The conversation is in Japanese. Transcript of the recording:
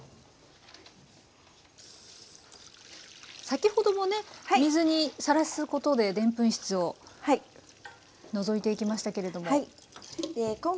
先ほどもね水にさらすことででんぷん質を除いていきましたけれども。